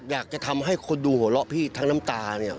อยากจะทำให้คนดูหัวเราะพี่ทั้งน้ำตาเนี่ย